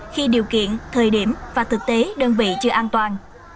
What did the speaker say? khi điều kiện thời điểm và thực tế đơn vị chưa an toàn